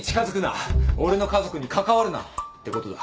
俺の家族に関わるな！ってことだ。